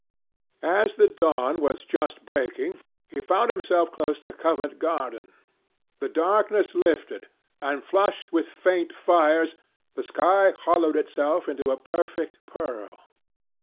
As the dawn was just breaking, he found himself close to Covent Garden. The darkness lifted, and, flushed with faint fires, the sky hollowed itself into a perfect pearl.